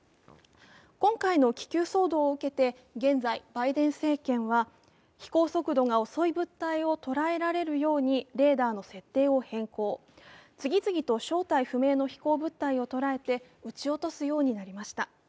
今回の気球騒動を受けて現在、バイデン政権は、飛行速度が遅い物体をとらえられるようにレーダーの設定を変更、次々と正体不明の飛行物体を捉えて撃ち落とすようになりました。